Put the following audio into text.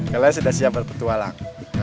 kalian sudah siap berpetualang